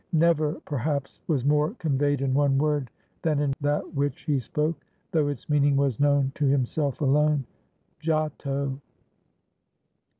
Never perhaps was more conveyed in one word than in that which he spoke, though its meaning was known to himself alone,— "GIOTTO!"